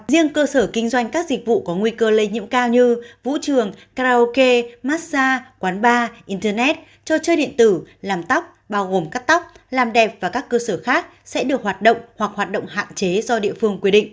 riêng cơ sở kinh doanh các dịch vụ có nguy cơ lây nhiễm cao như vũ trường karaoke massage quán bar internet trò chơi điện tử làm tóc bao gồm cắt tóc làm đẹp và các cơ sở khác sẽ được hoạt động hoặc hoạt động hạn chế do địa phương quy định